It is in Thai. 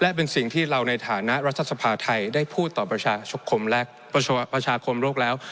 ว่าประชาคมโรคแล้ว